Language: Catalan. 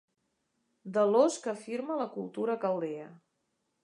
De l'ós que afirma la cultura caldea.